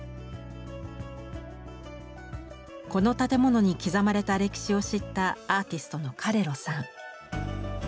この建物に刻まれた歴史を知ったアーティストのカレロさん。